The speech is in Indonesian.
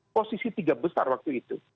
posisi tiga besar waktu itu